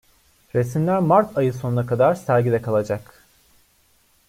Resimler Mart ayı sonuna kadar sergide kalacak.